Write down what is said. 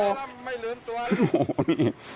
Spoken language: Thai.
โอ้นี่